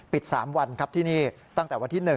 ๓วันครับที่นี่ตั้งแต่วันที่๑